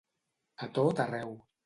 A tot arreu.